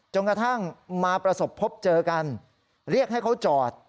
กระทั่งมาประสบพบเจอกันเรียกให้เขาจอด